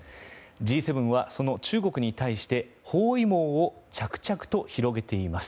Ｇ７はその中国に対して包囲網を着々と広げています。